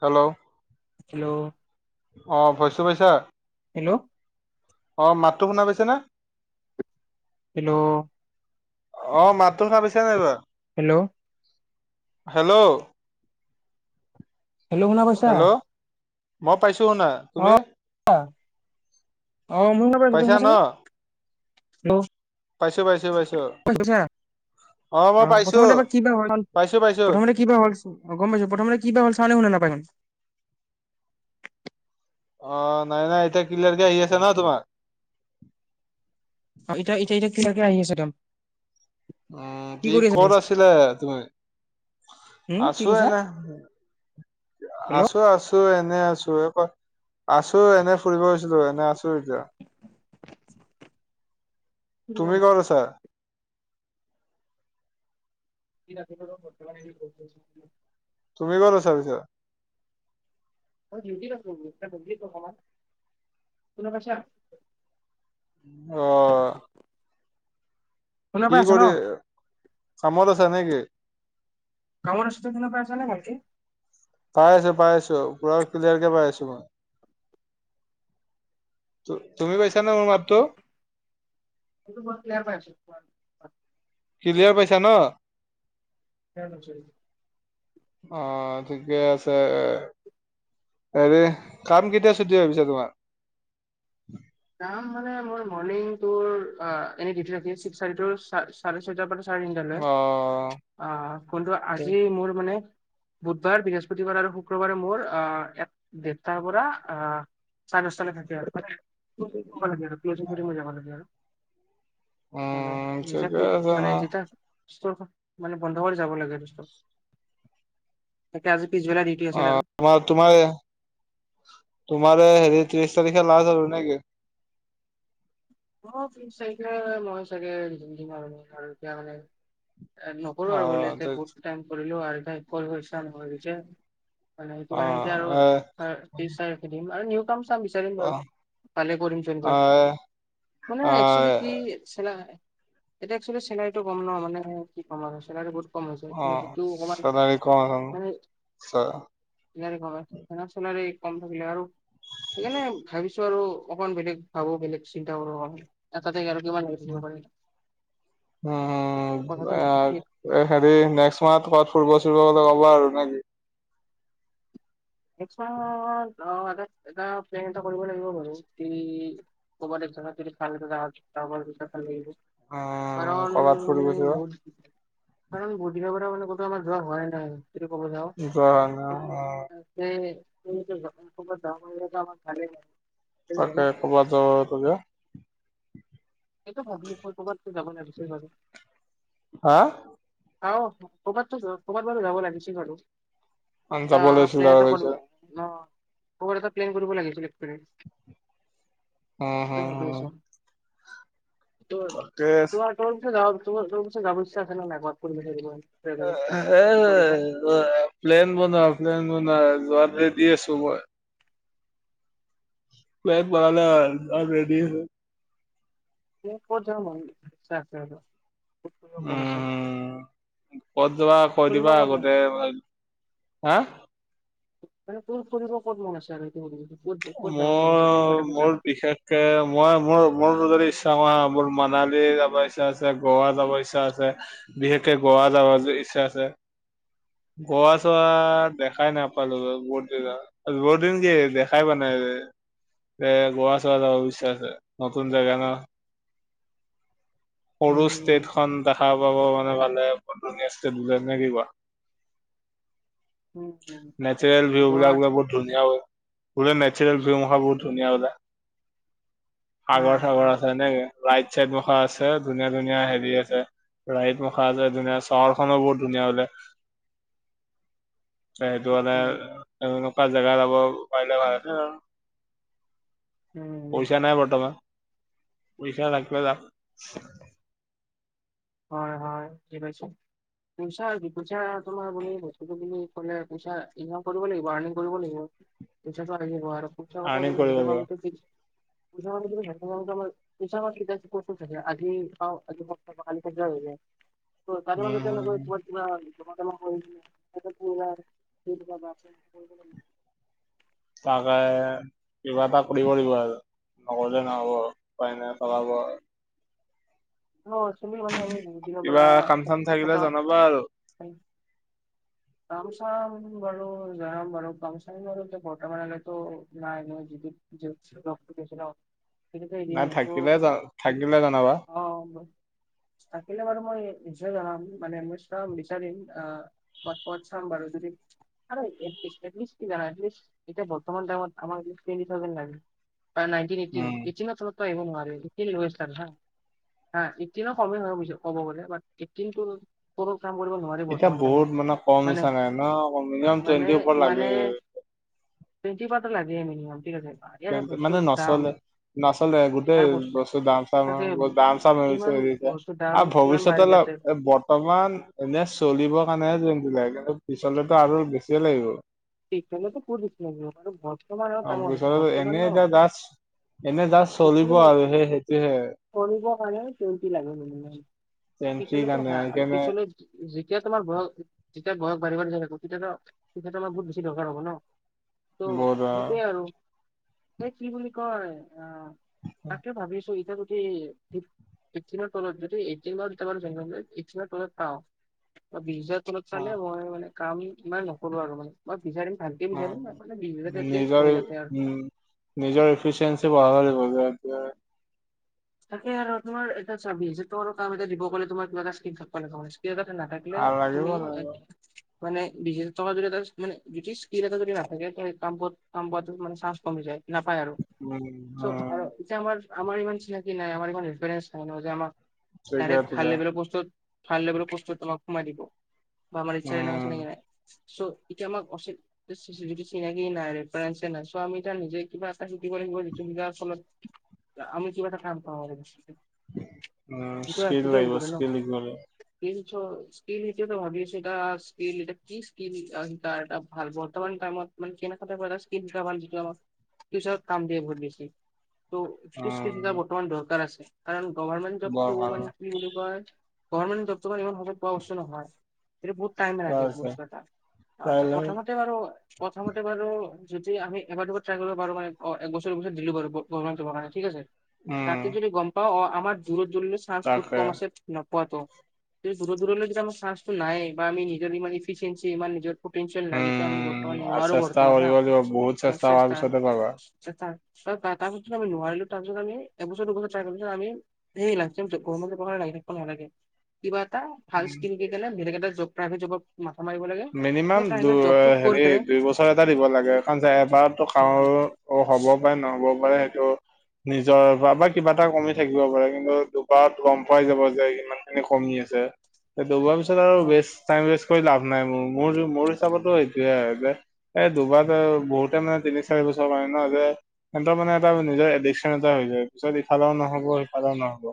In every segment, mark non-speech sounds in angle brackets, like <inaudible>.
Hello? Hello? অ' ভইচটো পাইছা? হেল্ল'? অ' মাতটো শুনা পাইছা না? হেল্ল'? অ' মাতটো শুনা পাছে নাই বা? হেল্ল'? হেল্ল'? হেল্লো? শুনা পাইছা? হেল্ল' মই পাইছোঁ শুনা। তুমি? অ'। মোৰ শুনা পাইছোঁ। তুমি শুনিছা না? হেল্ল'? পাইছোঁ - পাইছোঁ - পাইছোঁ। অ', মই পাইছোঁ। প্ৰথমতে এবাৰ কিবা হ'ল পাইছোঁ প্ৰথমতে কিবা হ'ল- অ' গম পাইছোঁ। প্ৰথমতে কিবা হ'ল চাউনে শুনা নাপায় হোন? অ', নাই - নাই। এতিয়া কিলয়াৰকে আহি আছে ন' তোমাৰ? অ' এতিয়া- এতিয়া- এতিয়া কিলয়াৰকে আহি আছে একদম। উম, কৰি কি- আছা ক'ত আছিলা তুমি? হুম কি আছোঁ কৈছা এনে। হেল্ল' আছোঁ - আছ ছোঁ, এনে আছোঁ এ- ক-। আছোঁ, এনে ফুৰিব গৈছিলোঁ। এনে আছোঁ এতিয়া। <unintelligible> শুনা তুমি পাইছা ক'ত আছা? <unintelligible> তুমি ক'ত আছা পিছে? মই ডিউটিত আছোঁ। <unintelligible> শুনা পাইছা? অ'। শুনা কি পাই আছা ন কৰি- কামত আছা নেকি? কামত আছোঁ। তই শুনা পাই আছা নে ভালকে? পাই আছোঁ - পাই আছোঁ। পুৰা ক্লিয়াৰকে পাই আছোঁ মই। ত- তুমি পাইছা নে মোৰ মাতটো? ক্লিয়াৰ পাইছা ন'? <inaudible> অ' ঠিকে আছে। হেৰি কাম কেতিয়া ছুটি হয় পিছে তোমাৰ? কাম মানে মোৰ মৰ্নিঙ তোৰ অ'- এনে ডিউটি ৰাতি তো ছিক্স থাৰ্টি টু ছা- ছাৰে ছয়টাৰ পৰা ছাৰে তিনিটালৈ। অ অ' ফোনটো আজি মোৰ মানে বুধবাৰ, বৃহস্পতিবাৰ আৰু শুক্ৰবাৰে মোৰ অ'- এক দেৰটাৰ পৰা অ ছাৰে দশটালৈ থাকে আৰু। <unintelligible> কৰিব মই যাব লাগে আৰু। উম <inaudible> নিজকে ঠিকে উ- আছে ন মানে যেইতা ষ্টোৰখন মানে বন্ধ কৰি যাব লাগে দশটাত। তাকে আজি পিছবেলা ডিউটি অ' আছিল আৰু তম- তোমাৰে- তোমাৰ এ হেৰি ত্ৰিশ তাৰিখে লাষ্ট আৰু নেকি? অ' তিৰিশ তাৰিখে মই চাগে <unintelligible> আৰু এতিয়া মানে এ নকৰোঁ অ আৰু বুলি, এতিয়া অ এ বহুত টাইম কৰিলোঁ, আৰু কৰিব ইচ্ছা নোহোৱা হৈ গৈছে। মানে সেইটো কাৰণে এতিয়া আৰু অ'- তিৰিশ তাৰিখে ৰাখি দিম। আৰু নিউ কাম কাম বিচাৰিম অ বাৰু পালে কৰিম জইন অ কৰিম আপোনাৰ একচুৱেলী কি অ চেলাৰি এতিয়া একচুয়েলী চিলাৰীটো কম ন মানে কি ক'ম আৰু চেলাৰীটো বহুত কম আছে অ মানে যিটো অকমান চেলাৰী কম মানে আচ্ছা। ইয়াৰেই সমান সিমান চেলাৰী কম থাকিলে আৰু সেইকাৰণে ভাবিছোঁ আৰু অকমান বেলেগ ভাবোঁ বেলেগ চিন্তা কৰোঁ এটা জেগাত আৰু কিমান গৈ থাকিব পাৰি। উম! কথাটো হেৰি নেক্স মাহত কবাত ফুুৰিব-চুুৰিব গ'লে ক'বা আৰু নে কি এটা অ এটা প্লেন এটা কৰিব লাগিব বাৰু কি কব দে <unintelligible> উম কাৰণ কৰ'বাত ফুৰিব বহুত চুৰিব কাৰণ দিনৰ পৰা মানে। আমাৰ যোৱা হোৱাই নাই। যদি ক'ব যাওঁ গ ন অ- <unintelligible> তাকে কবাত যাও তবে। এইটো ভাবিয়ে কৰা কবাতটো যাব লাগিছে ভাবে। আ আহ ক'ৰবাততো ক'ৰবাত বাৰু যাব লাগিছি বাৰু। যাব অহ লাগিছিলে প্লেন আৰু এটা কৰোঁ পিছে অ তোৰ এটা প্লেন কৰিব লাগিছিল এপ্ৰেছ। এ হে হে হে হে তৰ তাকে তোমাৰ তৰ পি যাব তোমাৰ তোৰ পিছে যাব ইচ্ছা আছে নাই ক <unintelligible> এ, প্লেন বনোৱা, প্লেন টো নাই যোৱাত ৰেদি আছো মই। <unintelligible> <unintelligible> ফুৰিব মন আছে উম্ কত যাবা কৈ ফুৰিব দিবা ক'ত মন আগতে হা। মানে তোৰ ফুৰিব ক'ত মন আছে আৰু সেটো শুধিছো। মই মোৰ বিশেষকে মই মোৰ মোৰ ইচ। মোৰ মনালী যাব ইচ্ছা আছে, গোৱা যাব ইচ্ছা আছে বিশেষকে গোৱা যাব। ছে আছে গোৱা চোৱা দেখাই নাপালো বহুত দিনে বহুত দিন কি দেখ- খাই পোৱা নাই বে, এ গোৱা চোৱা যাব ইচ্ছা নতুন জগা ন। সৰু উম ষ্টেটখন দাখা পাব। নহ'লে <unintelligible> পে নে কি কোৱা উম উম, নেচাৰেল ভিউবিলাক বোলে গোৱাত বহুত ধুনীয়া হয়। বোলে নেচাৰেল ভিউ বহুত ধুনীয়া ওলাই, হা হা সাগৰ-চাগৰ আছে এনেকে ৰাইট-চাইড মুখা আছে, ধুনীয়া-ধুনীয়া হেৰি আছে ৰাইড মুখা আছে ধুনীয়া চহৰখননো বহুত ধুনীয়া বোলে। সেইটো মানে উম এনেনেকুৱা জেগা যাব পাৰিলে ভাল আছে আও। উম পইচা নাই বৰ্তমান, পইচা ৰাখিবা যাম। হয় হয় কে পাইছে। পইচা পইচা তোমাৰ বুলিলে বস্তুটো কিনি থলে পইচা ইনক কৰিব লাগিব আৰ্নিং কৰিব লাগিব। তেতিয়াটো আহিব আৰু খুব কথা আৰ্নিং কৰিব লাগিব <unintelligible> <unintelligible> সেনকা হৈ যায় ত তাৰ মাজ কেনে গ উম তমাৰ কিবা <unintelligible> তাকে কিবা এটা কৰিব লাগিব আৰু, নগলে নহ'ব উপাই নাই চলাব। কিবা কাম চাম থাকিলে জনাবা আৰু <unintelligible> <inaudible> কামচাম বাৰু জৰাম বাৰু কামচাম বাৰু ফট মান লে ন। উ। নাই, থাকিলে-থাকিলে জনাবা। হয় <inaudible> থাকিলে বাৰু মই নিশ্চয় জনাম মানে মই চাম বিচাৰিম আহ প পত চাম বাৰু যদি। আৰু এডলিষ্ট এডলিষ্ট কি জানা এতিয়া বৰ্তমান টাইমট আমাক টুৱেন্টি থাউজেন লাগে। বা নাইনটিন এইটিন, উম এইটিনত চবতকে আহিব নোৱাৰে গোটেই উনিভাৰচ হা। হা এইটিন সম ক'ব গ'লে এইটিনটো এতিয়া বহুত মানে কম নিচা নাই ন। মিনিমাম টুৱেণ্টি ওপৰত লাগে। <unintelligible> টুইৱেনটি পাব লাগে মেনিমাম ঠিক আছে। ইয়াৰে মানে বস্তুৰ দাম নচলে নচলে। গোটেই বস্তু দাম চাম তাকে দাম চাম। কিমান বস্তুৰ দাম আৰু কিমান বাঢ়ি ভৱিষ্যতলে গৈছে বৰ্তমান এনে চলিবৰ কাৰণে কিন্তু পিছলেতো আৰু বেছিয়ে লাগিব। ঠিক থাকিলে টো কৰি দিছিলো হয় অ' এনে এনে এটা দাস এনে জা চলিব আৰু সেই সেইটোহে আৰু খ কমটি লাগে ম ন <inaudible> চেন্টিৰ পিছলৈ তো কাৰণে হা আৰু সেইকাৰণে পিছলৈ যেতিয়া তোমাৰ বয়স। তেতিয়া বয়স বাঢ়িব নো তেতিয়া তেতিয়া আমাৰ বহুত বেছি দৰকাৰ হব ন। ত' বহুত সেইটোৱে আৰু এ কি বুলি কয় অ' তাকে ভাবি আছোঁ এতিয়াটো এই ফিফটিন তলত যদি এইটিনৰ তলত যদি পাওঁ। বিশ হজাৰ তলত অ চালে মই মানে কাম ইমান নকৰো আৰু মানে। মই বিচাৰিম ভালকে বিচাৰিম মানে বিশ অ', হাজাৰ এটলিষ্ট নিজৰ হৈ যাতে আৰু উম নিজৰ এফিচিয়েঞ্চি বঢ় হ'ব দিয়া তাকে আৰু তোমাৰ এটা চাবি যে তোৰ কাম এটা দিব কলে তোমাৰ কিবা এটা স্ক্ৰীন থাকা হ'লে ভাল হ এইয়াত নাথাকিলে আৰু লাগিব তুমি লাগিব এক মানে বিশেষ স্কিল যদি এটা মানে যদি স্কিল এটা যদি নাথাকোম কাম মানে চান্স কমি যায়। নাপায় আৰু, উম চ' উম আৰু এতিয়া আমাৰ আমাৰ ইমান চিনাকি নাই আমাৰ ইমান এক্সপেৰিয়েঞ্চ নাই ন যে আমাৰ ঠিকে ডাইৰেক্ট ভাল ঠিকে লেভেলৰ পষ্টত ভাল লেভেলৰ পষ্টত তোমাক সোমাই দিব। আ আ মাৰচচ উম নেে <inaudible> চ' এতিয়া আমাকচ চিনাকি নাই ৰেফাৰে নাই' আমি এাৰ নিজে কিবা এটা শিকিব লাগ তুমি যাৰ ফলত আমি কিবা এটা কাম পাওঁ সেইটো উম সেইটো স্কিল লাগিব আহিব ন। স্কিল শিকিব লাগিব চ, স্কিল সেইটোতো ভাবিছোঁ তাৰ স্কিল এটা কি স্কিল এটা ভাল বৰ্তমান টাইমত মানে কেনেকোৱা টাইপৰ যিটো আম, ফিউচাৰত কাম দিয়ে বহুত বেছি ত কি কিছটা উম বৰ্তমান দৰকাৰ আছে, কাৰণ গভাৰ্ণমেণ্ট বৰ জবটো ভাল মানে কি বুলি কয় গভৰ্মেণ্ট দপ্তৰৰত ইমান সজায় পোৱা অৱশ্যে নহয়। এ বহুত টাইম ঠিকে লাগে এইটো আছে বস্তাটা আচ্ছা কাইলৈ প্ৰথমতে বাৰু প্ৰথমতে বাৰু যদি আমি এবাৰ দুবাৰ ট্ৰাই কৰিব পাৰো মানে অ এক বছৰ পছত দিলোৰ বাৰু কাৰণে ঠিক আছে। উম তাতে যদি গম পাওঁ অ' আমাৰ দূৰ দূ চান্স বহুত তাকে কম আছে ন। পোৱাত যদি দূৰ দূৰলৈ কেইটা চাঞ্চ নাই বা আমি নিজৰ ইমান ইফিচিয়েঞ্চি ইমান নিজৰ পিয়েল নাই যিটো আমি উম বৰ্তমান নোৱাৰো। চেষ্টা বৰ্তমান হা কৰিব লাগিব বহুত কৰাৰ চেষ্টা পিছতে পাবা চেষ্টা। ত তাৰপিছত আমি নোৱাৰিলো। তাৰপিছত আমি এবছৰ দুবছৰ ট্ৰাই কৰাৰ পিছত আমি সে লাইফটাইম গৱৰ্ণমেণ্ট জবৰ কাৰণে লাগি থাকিব নালাগে। কিবা এটা ভাল উম স্ম কেলে বেলেগ এটা জব প্ৰাইভেট জবত ম মিনিমাম দু হেৰি পেলাই দুই বছৰ এটা দিব লাগে কাৰণ এবাৰতো হয় কামৰ হ'ব পাৰে নহ'ব পাৰে সেইটো। নিজৰ বা কিবা এটা কমি থাকিব পাৰে কিন্তু দুবাৰত গম পাই যাব যে ইমান খিনি কমি আছে। চে, ত বজোৱাৰ পিছতে অ বেছ টাইম ৱেছ কৰি লা <unintelligible> নাই মোৰ মোৰ মোৰ হিচাপতো এইয়ে যে এই দুবাৰ বহুতে মানে তিনি চাৰি বছৰ মান ন যে সিহঁতৰ মানে এটা নিজৰ এডিকশচন এটা হৈ যায় পিছত ইফালেও নহব সিফালেও নহব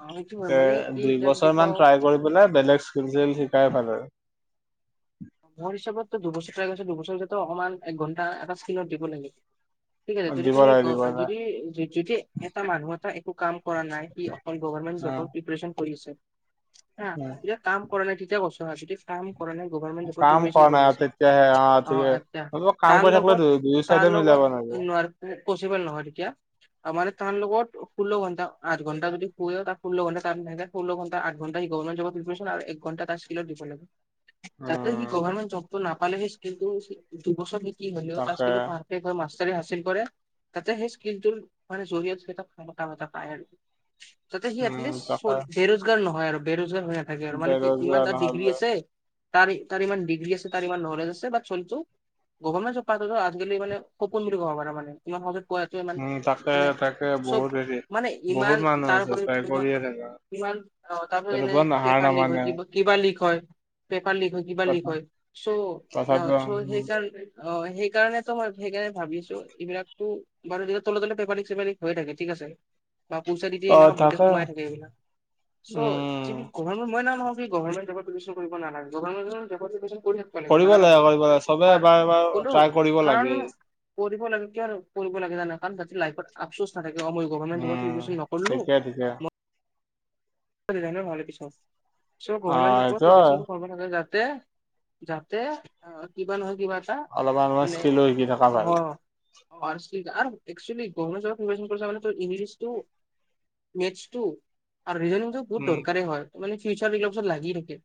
অ সেইটো হয় <unintelligible> এ মানে কি দুই এতিয়া যদি বছৰ মান কওঁ ট্ৰাই কৰি পেলাই বেলেগ স্কিল <unintelligible> চাই ভাল আৰু। ঘৰ হিচাপতো দুবছৰ টকা গৈছে দুবছৰেতো অকমান একঘণ্টা এটা স্কিলত দিব লাগে। <unintelligible> ঠিক আছে, আৰু যদি দিব তুমি লাগে দিব লাগে যদি যদি এটা মানুহ এটা একো কাম <unintelligible> কৰা নাই সি অকল গভৰ্মেণ্ট অ জবৰ প্ৰিপাৰেচন কৰি আছে। <unintelligible> হা তেতিয়া কাম কৰা নাই তেতিয়া কছতিয়া কাম কৰা নাই গব <unintelligible> গৰ্ভমেন্ট ৰিপৰ্ট কাম পিপেৰচন কৰা নাই কৰি আৰু আছো, তেতিয়াহে অ ঠিকে অলপ কাম তাৰ কৰি থাকিলে লগত দুই দুয়ো তাৰ চাইডে মিলাব লাগিব। লগত নোৱা পচিবল নহয় তেতিয়া, আমাৰ <unintelligible> তাৰ লগত ষোল ঘণ্টা, আঠ ঘণ্টা যদি হয় তাক ষোল ঘণ্টাৰ ষোল ঘণ্টা আঠ ঘণ্টা সি গবৰ্ণমেণ্ট যব <unintelligible> পিপেৰচন আৰু একঘণ্টা স্কেল দিব লাগে অ। মানে জবটো নাপালে সি স্কিলটো, দুবছৰ নো কি হলেও তাৰ তাকে স্কিলটো পাৰফেক্ত হল আ <unintelligible> চাৰ ই হাচিল কৰে, তাতে সেই স্কিলটোৰ মানে জৰিয়ত সেইটা কথা বতা পায় আৰু। <unintelligible> তাতে সি উম, এটলিষ্ট তাকে বেৰোজগাৰ নহয় আৰু বেৰোজ <unintelligible> হৈ নাথাকে আৰু মানে কি ইমান বেৰোজগাৰ তাৰ ডিগ্ৰী নহ'লে আছে, তাৰ তাৰ ইমান ডিগ্ৰী আছে তাৰ ইমান নলেজ আছে বাট চলটো গৰ্ভমেন্ট জব পাই গ'লে আজিকালি সপোন বুলি কব পাৰা মানে ইমান সহজে কোৱাটো ইমান উম, তাকে মানে তাকে বহুত চব হেৰি মানে বহুত ইমান মানুহ আছে ট্ৰাই তাৰপৰত তোমাৰ কৰিয়ে <unintelligible> থাকা কিমান অ তাৰপাছত এনে তেনেকুৱা নাহাৰ পেপাৰ লিক নামানে হয় কিবা লিক হয় পেপাৰ লিক হয় কিবা লিক হয় চ' অ তথাপিও চ' উম সেইকাৰণে অ সেইকাৰণেতো মই সেইকাৰণে ভাবিছো এইবিলাকতো বাৰুতিয়া তলে তলে পেপাৰিক চেপাৰিক হৈ থাকে ঠিক আছে <unintelligible> বা পইচা দি দিয়ে অ' এনেকুৱা বোতে তাকে সোমাই থাকে এইবিলাক চ' কি উম, ঘৰ মই না নহয় <unintelligible> যি গভাৰ্ণমেণ্ট জবৰ তুমি এপ্লিকেচন কৰিব নালাগে, গভাৰ্ণমেণ্ট জবৰ এপ্লিকেচন কৰিব লাগে কৰিব লাগে চবে এবাৰ এবাৰ ট্ৰাই কৰিব লাগে। কৰিব লাগে কি আৰু কৰিব লাগে জানা কাৰণ যাতে লাইফত আফচোচ নাথাকে মই গভমেট উম, ত ইনভেশন নকৰিলো ঠিকে ঠিকে ম <unintelligible> ভাল পিছত চ অ' গৰ্ভমেন্ট জবৰ সেইটোয়ে ক্ৰছিং কৰাব নাযায় যা <unintelligible> তে যাতে কিবা নহয় <unintelligible> কিবা এটা অলপমান অলপমান মানে স্কিলো শিকি থকা অ ভাল। <unintelligible> আৰু একচুৱেলি গমেণ্ট জবক নিৰ্বাচন কৰি মানে তোৰ ইংলিছটো <unintelligible> মেছটো আৰু ৰিজন বহুত উম, দৰকাৰে হয় মানে ফিউচাৰবিলাকত চত লাগি থাকে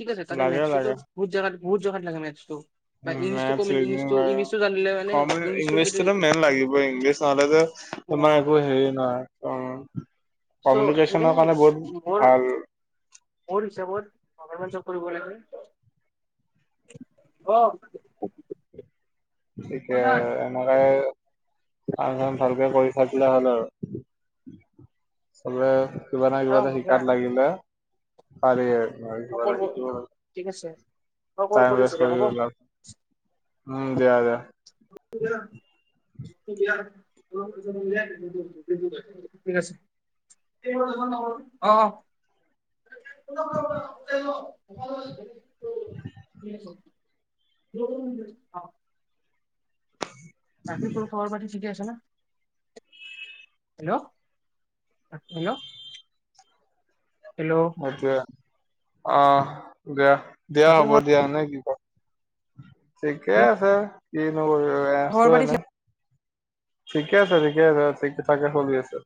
ঠিক আছে তাৰে লাগে মেটছতো বহুত জেগাত <unintelligible> বহুত জেগাত লাগে মেথচটো। <unintelligible> জানিলে ক মানে ইংলিছটো যদি ইংলিছতো মেইন লাগিবই, ইংলিছ নহলে যে <unintelligible> তোমাৰ অ' একো হেৰি নহয় অ। ত' সেইকাৰণে মোৰ মোৰ হিচাপত গৰ্ভমেন্ট জব কৰিব লাগে আহ। ঠিক এমা গাই <unintelligible> কাম চাম ভালকে কৰি খাইছিলে হলো চবে, <unintelligible> কিবা না অ কিবা এ শুনা শিকাত লাগিলে, পাৰি আৰ <unintelligible> অ কিবা এটা কৰিব শিকিব ল ঠিক আছে মই কল টাইম কৰিছো ৱেষ্ট দে কৰি হ'ব। উ <unintelligible> দ্বাৰা। <unintelligible> <inaudible> অ। <unintelligible> <inaudible> অ। <unintelligible> বাকি তোৰ খবৰ পাতি ঠিকে আছে ন হেল্ল' হেল্ল' এতিয়া, অ দিয়া দিয়া বাকী হ'ব খবৰ দিয়া নে কি ক? ঠিকে মানে আছে, কি ন কৰিব আছো খবৰ পাতি এনে। ঠিক ঠিকে আছে ঠিকে আছে ঠিক থাকে চলি আছে।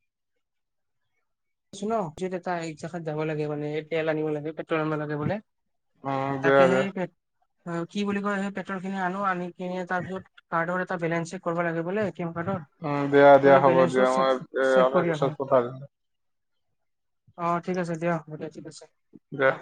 ন এটা জেগাত যাব লাগে মানে তেল আনিব লাগে পেট্ৰল আনিবলে উম দিয়া তাকে দিয়া সেই পে কি বুলি কয় সেই পেট্ৰল খিনি আনো আনি এহ তাৰ পিছত কাৰ্ডৰে এটা বেলেঞ্চে কৰিব লাগিব বোলে এটি এম কাৰ্ডৰ উম দিয়া দিয়া এই হ'ব বলেঞ্চটো দিয়া মই এ চেক আপোনাৰ কৰি আহো পিছত কথা পাতিম অ ঠিক আছে দিয়া হ'ব দিয়া ঠিক আছে জা অ